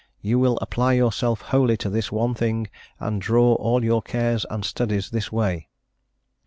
you will apply yourself wholly to this one thing, and draw all your cares and studies this way."